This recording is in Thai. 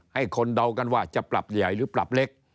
ให้คนเดากันว่าจะปรับใหญ่หรือปรับเล็ก